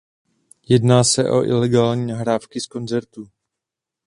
Jedná se o ilegální nahrávky z koncertů.